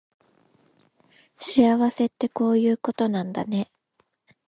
幸せってこういうことなんだね